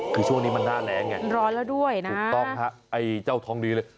คือช่วงนี้มันหน้าแรงไงถูกต้องครับร้อนแล้วด้วยนะไอ้เจ้าทองดีเลย